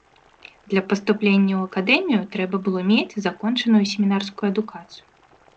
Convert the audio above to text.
Для паступлення ў акадэмію трэба было мець закончаную семінарскую адукацыю.